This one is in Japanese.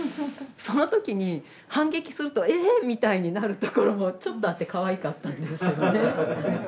その時に反撃すると「ええっ⁉」みたいになるところもちょっとあってかわいかったんですよね。